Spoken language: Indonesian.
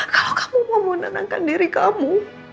kalau kamu mau menenangkan diri kamu